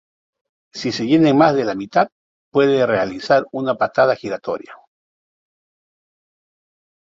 Si se llena en más de la mitad, puede realizar una patada giratoria.